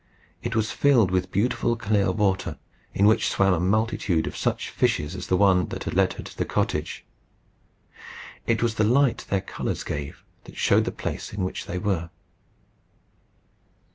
It was filled with beautiful clear water, in which swam a multitude of such fishes as the one that had led her to the cottage. It was the light their colours gave that showed the place in which they were.